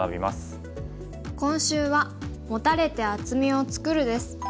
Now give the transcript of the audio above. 今週は「モタれて厚みを作る」です。